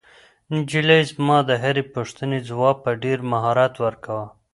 نجلۍ زما د هرې پوښتنې ځواب په ډېر مهارت ورکاوه.